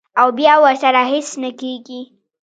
او بیا ورسره هېڅ نۀ کيږي -